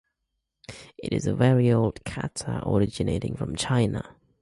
It is a very old kata originating from China.